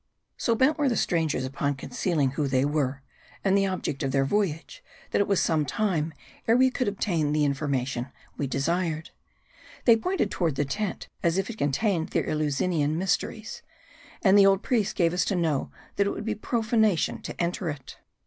So bent were the strangers upon concealing who they were, and the object of their voyage, that it was some time ere we could obtain the information we desired. They ' pointed toward the tent, as if it contained their Eleusinian mysteries. And the old priest gave us to know, that it would be profanation to enter it.